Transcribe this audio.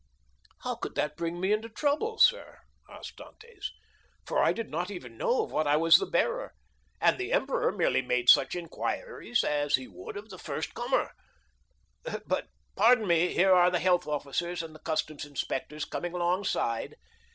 0027m "How could that bring me into trouble, sir?" asked Dantès; "for I did not even know of what I was the bearer; and the emperor merely made such inquiries as he would of the first comer. But, pardon me, here are the health officers and the customs inspectors coming alongside."